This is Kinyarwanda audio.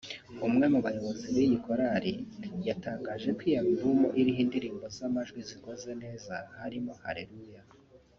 umwe mu bayobozi b’iyi Korali yatangaje ko iyi alubumu iriho indirimbo z’amajwi zikoze neza harimo « Halellua »